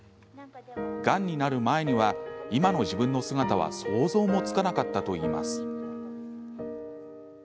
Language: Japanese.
がんになる前には今の自分の姿は想像もつかなかったといいます。